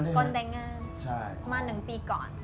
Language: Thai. มาหนึ่งปีก่อน